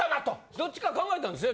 どっちか考えたんですよ。